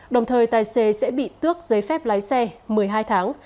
đồng thời tài xế sẽ bị tước giấy phép lái xe một mươi hai tháng